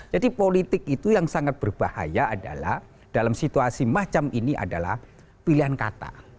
jadi politik itu yang sangat berbahaya adalah dalam situasi macam ini adalah pilihan kata